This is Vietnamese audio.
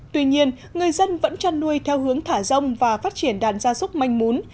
tuy nhiên người dân vẫn trăn nuôi theo hướng thả rong và phát triển đàn gia súc manh mún